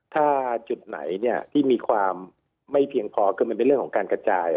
ถ้าจุดไหนที่มีความไม่เพียงพอคือมันเป็นเรื่องของการกระจาย